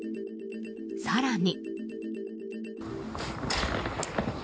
更に。